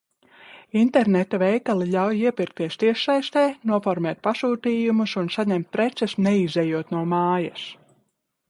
Interneta veikali ļauj iepirkties tiešsaistē, noformēt pasūtījumus un saņemt preces, neizejot no mājas.